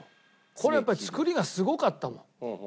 これやっぱり造りがすごかったもん。